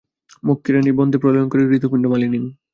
মক্ষীরানী, বন্দে প্রলয়রূপিণীং হৃদপিণ্ড-মালিনীং!